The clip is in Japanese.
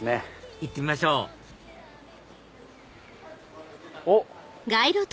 行ってみましょうおっ！